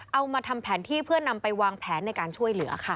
เอามาทำแผนที่เพื่อนำไปวางแผนในการช่วยเหลือค่ะ